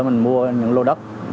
để mình mua những lô đất